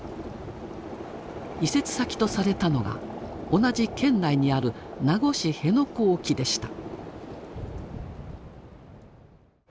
移設先とされたのが同じ県内にある名護市辺野古沖でした。